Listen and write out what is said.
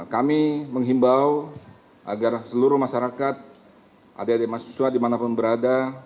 kami menghimbau agar seluruh masyarakat adik adik mahasiswa dimanapun berada